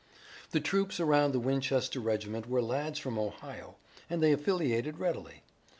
The troops around the Winchester regiment were lads from Ohio, and they affiliated readily.